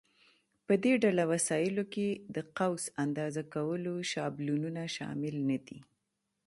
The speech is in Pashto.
په دې ډله وسایلو کې د قوس اندازه کولو شابلونونه شامل نه دي.